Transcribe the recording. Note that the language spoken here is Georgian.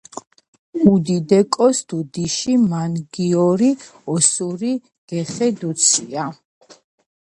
უდუდე კოს დუდიში მანგიორო ოსური გეხე დუცია